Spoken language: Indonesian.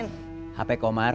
dan saya yakin punya kang komar